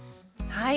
はい。